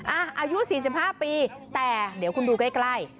อายุ๔๕ปีแต่เดี๋ยวคุณดูใกล้